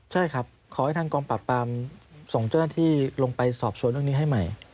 ใช่ครับขอให้ทางกองปรับปราม๒นาทีลงไปสอบส่วนอย่างนี้ให้ใหม่